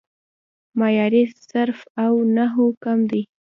معیاري صرف او نحو کم دی